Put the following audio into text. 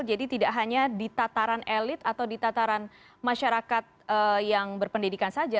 jadi tidak hanya di tataran elit atau di tataran masyarakat yang berpendidikan saja